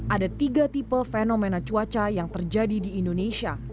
ada tiga tipe fenomena cuaca yang terjadi di indonesia